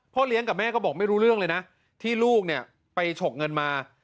เลี้ยงกับแม่ก็บอกไม่รู้เรื่องเลยนะที่ลูกเนี่ยไปฉกเงินมา